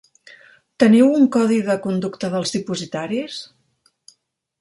Teniu un codi de conducta dels dipositaris?